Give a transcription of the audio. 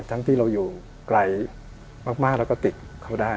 ที่เราอยู่ไกลมากแล้วก็ติดเขาได้